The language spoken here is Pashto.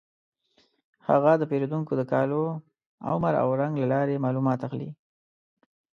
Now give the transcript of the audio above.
هغه د پیریدونکو د کالو، عمر او رنګ له لارې معلومات اخلي.